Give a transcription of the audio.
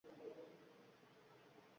Soat sindi, soatlar sindi